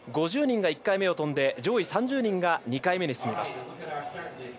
５０人が１回目を飛んで上位３０人が２回目に進みます。